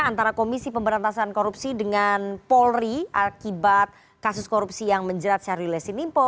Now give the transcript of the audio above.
antara komisi pemberantasan korupsi dengan polri akibat kasus korupsi yang menjerat syahrul yassin limpo